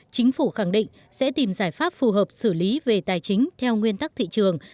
chính phủ khẳng định sẽ tìm giải pháp phù hợp xử lý về tài chính theo nguyên tắc thị trường